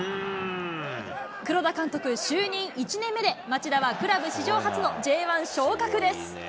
黒田監督、就任１年目で町田はクラブ史上初のＪ１昇格です。